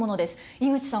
井口さん